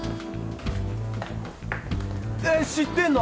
えっ知ってんの？